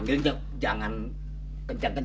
kita akan berjalan